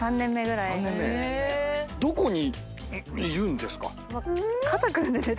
どこにいるんですか？